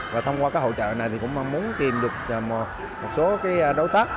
và thông qua cái hỗ trợ này thì cũng muốn tìm được một số cái đối tác